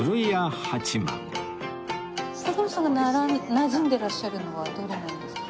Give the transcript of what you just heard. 徳光さんがなじんでらっしゃるのはどれなんですか？